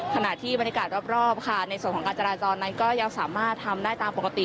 ขณะที่บรรยากาศรอบค่ะในส่วนของการจราจรนั้นก็ยังสามารถทำได้ตามปกติ